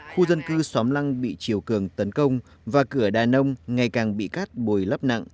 khu dân cư xóm lăng bị chiều cường tấn công và cửa đà nông ngày càng bị cát bồi lấp nặng